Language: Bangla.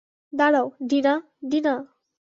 দাঁড়াও, ডিনা, ডিনা!